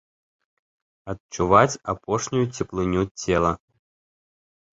Адчуваць апошнюю цеплыню цела.